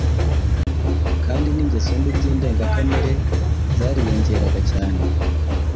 kandi n’ingeso mbi by’indengakamere zariyongeraga cyane.